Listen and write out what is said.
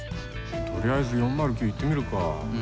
とりあえず４０９に行ってみるか。